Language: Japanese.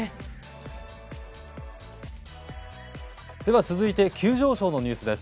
では続いて急上昇のニュースです。